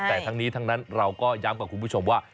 แต่ทั้งนี้ทั้งนั้นเราก็ย้ำกับคุณผู้ชมว่า